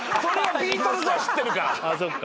ビートルズは知ってるから。